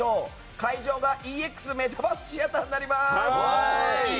会場がＥＸメタバースシアターになります！